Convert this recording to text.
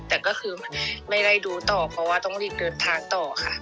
แต่ก็คือไม่ได้ดูต่อเพราะว่าต้องรีบเดินทางต่อค่ะ